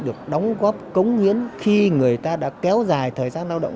được đóng góp cống hiến khi người ta đã kéo dài thời gian lao động